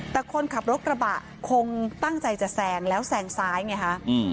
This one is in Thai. แต่คนขับรถกระบะคงตั้งใจจะแซงแล้วแซงซ้ายไงฮะ